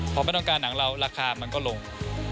พอไม่ต้องการหนังเราราคามันก็ลง